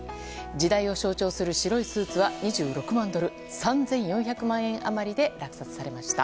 時代を象徴する白いスーツは２６万ドル３４００万円余りで落札されました。